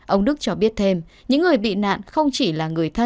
ông đức cho biết thêm những người bị nạn không chỉ là người dân bị nạn